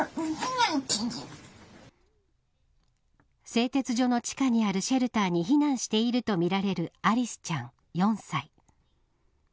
製鉄所の地下にあるシェルターに避難しているとみられるアリスちゃん４歳。